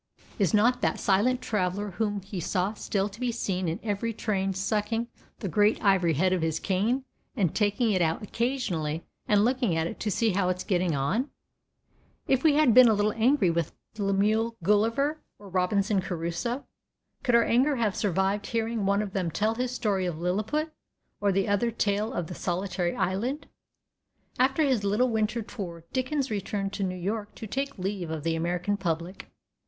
Is not that silent traveller whom he saw still to be seen in every train sucking the great ivory head of his cane and taking it out occasionally and looking at it to see how it is getting on? If we had been a little angry with Lemuel Gulliver or Robinson Crusoe, could our anger have survived hearing one of them tell his story of Liliput, or the other the tale of the solitary island? After his little winter tour Dickens returned to New York to take leave of the American public.